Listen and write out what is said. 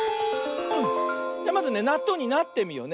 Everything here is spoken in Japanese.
じゃまずねなっとうになってみようね。